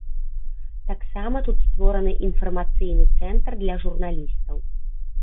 Таксама тут створаны інфармацыйны цэнтр для журналістаў.